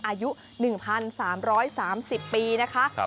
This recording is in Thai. อายุ๑๓๓๐ปีนะคะ